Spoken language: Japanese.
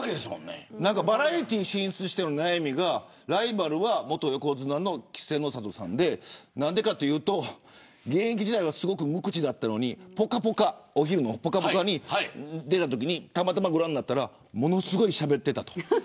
バラエティーに進出しての悩みがライバルは元横綱の稀勢の里さんで何でかというと現役時代は無口だったのにお昼のぽかぽかに出たときにたまたま、ご覧になったらものすごくしゃべっていた。